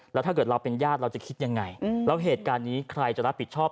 แล้วถ้าเกิดเราเป็นญาติเราจะคิดยังไงแล้วเหตุการณ์นี้ใครจะรับผิดชอบ